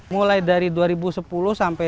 mulai dari dua ribu sepuluh sampai dua ribu enam belas